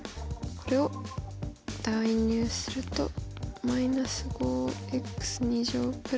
これを代入するとん？